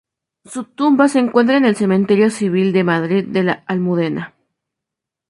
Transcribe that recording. Su tumba se encuentra en el Cementerio Civil de Madrid de la Almudena.